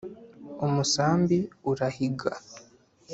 umusambi urahiga